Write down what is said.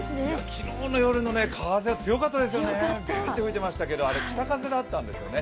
昨日の夜の風は強かったですよね、ビュービュー吹いてましたけどあれ、北風だったんですよね。